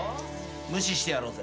無視してやろうぜ。